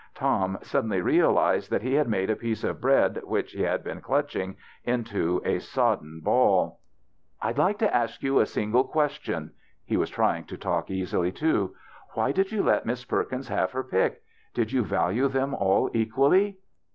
Tom suddenly realized that lie had made a piece of bread which he had been clutching into a sodden baU. "I'd like to ask yon a single question." He was trying to talk easily too. " Why did you let Miss Perkins have her pick? Did you value them all equally